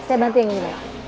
saya bantu yang ini